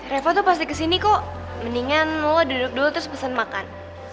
reva tuh pasti kesini kok mendingan mau duduk dulu terus pesen makan